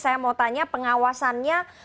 saya mau tanya pengawasannya